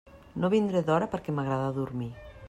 No vindré d'hora perquè m'agrada dormir.